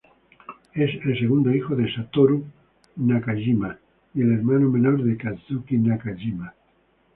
Es el segundo hijo de Satoru Nakajima y el hermano menor de Kazuki Nakajima.